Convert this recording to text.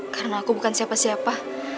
karena aku bukan siapa siapa